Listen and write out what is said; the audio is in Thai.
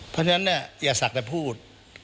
เพราะฉะนั้นเนี่ยอย่าสักแต่พูด